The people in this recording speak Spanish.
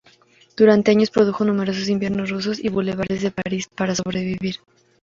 Durante años produjo numerosos "Inviernos rusos" y "Bulevares de París" para sobrevivir.